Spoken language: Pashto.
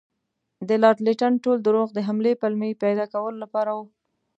د لارډ لیټن ټول دروغ د حملې پلمې پیدا کولو لپاره وو.